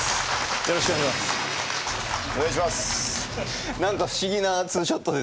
よろしくお願いします。